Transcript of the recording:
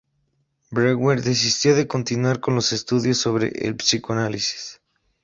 Breuer desistió de continuar con los estudios sobre el psicoanálisis.